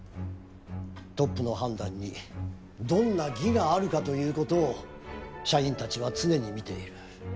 トップの判断にどんな義があるかという事を社員たちは常に見ている。